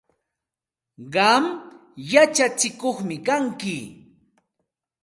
Qam yachatsikuqmi kanki.